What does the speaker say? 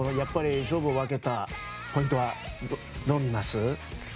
勝負を分けたポイントはどう見ます？